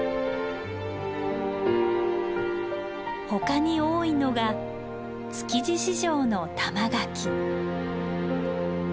ほかに多いのが築地市場の玉垣。